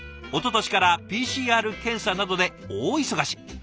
おととしからＰＣＲ検査などで大忙し。